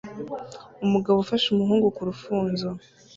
Umugabo ufashe umuhungu ku rufunzo